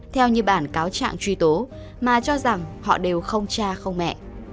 theo như bản cáo trạng truy tố mà cho rằng họ đều không cha không mẹ